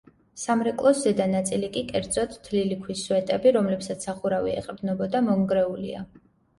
სამრეკლოს ზედა ნაწილი კი, კერძოდ, თლილი ქვის სვეტები, რომლებსაც სახურავი ეყრდნობოდა, მონგრეულია.